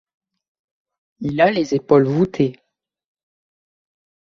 Il a les épaules voûtées.